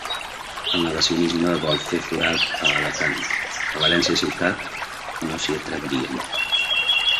El negacionisme vol fer forat a Alacant. A València ciutat no s'hi atrevirien.